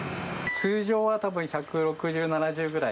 通常はたぶん１６０、７０ぐらい。